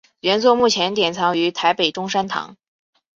原作目前典藏于台北中山堂。